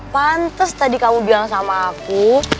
pantes tadi kamu bilang sama aku